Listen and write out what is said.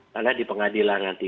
karena di pengadilan nanti